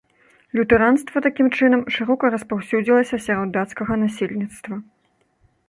Лютэранства, такім чынам, шырока распаўсюдзілася сярод дацкага насельніцтва.